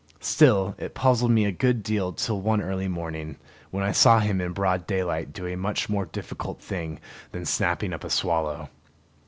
Still it puzzled me a good deal till one early morning, when I saw him in broad daylight do a much more difficult thing than snapping up a swallow.